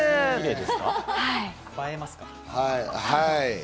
映えますか？